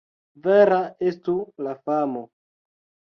Vera estu la famo!